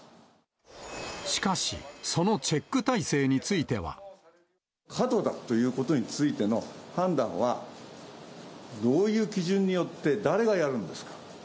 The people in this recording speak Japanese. しかし、そのチェック体制に過度だということについての判断は、どういう基準によって、誰がやるんですか？